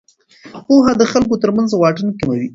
پوهه د خلکو ترمنځ واټن کموي.